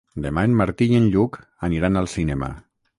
Demà en Martí i en Lluc aniran al cinema.